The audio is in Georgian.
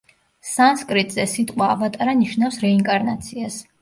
სანსკრიტზე სიტყვა ავატარა ნიშნავს რეინკარნაციას.